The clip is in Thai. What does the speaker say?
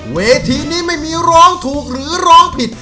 เวทีนี้ไม่มีร้องถูกหรือร้องผิด